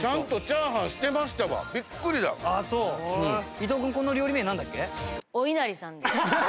伊藤君この料理名なんだっけ？